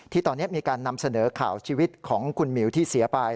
ที่ตอนนี้มีการนำเสนอข่าวชีวิตของคุณหมิวที่เสียไป